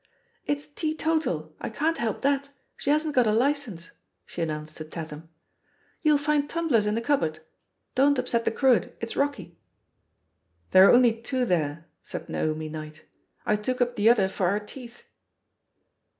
"It's teetotal — I can't help that, she hasn't got a licence I" she announced to Tatham. "You'll find tumblers in the cupboard — don't upset the cruet, it's rocky." "There are only two there," said Naomi Knight; "I took up the other for our teeth."